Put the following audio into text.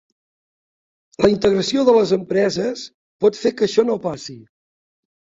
La integració de les empreses pot fer que això no passi.